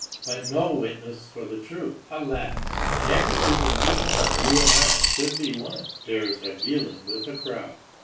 But no witness for the truth alas, and every human being, you and I, should be one dares have dealings with a crowd.